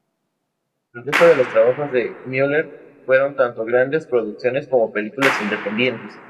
El resto de los trabajos de Müller fueron tanto grandes producciones como películas independientes.